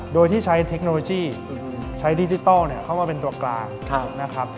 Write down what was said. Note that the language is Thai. โดยที่ใช้เทคโนโลยีใช้ดิจิทัลเข้ามาเป็นตัวกลางนะครับ